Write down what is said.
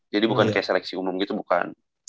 jadi bukan kayak seleksi umum gitu bukan